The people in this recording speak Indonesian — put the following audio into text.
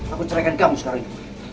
aku cerahkan kamu sekarang